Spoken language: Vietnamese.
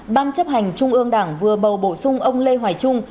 ban chấp hành trung ương đảng vừa bầu bổ sung ông lê hoài trung